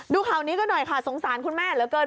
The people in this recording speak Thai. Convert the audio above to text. ดูข่าวนี้ก็หน่อยค่ะสงสารคุณแม่เหลือเกิน